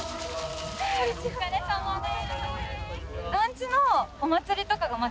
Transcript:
お疲れさまです。